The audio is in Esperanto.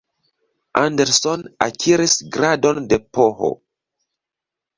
Anderson akiris gradon de Ph.